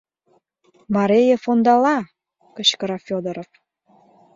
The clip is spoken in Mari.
Мареев ондала!» — кычкыра Фёдоров.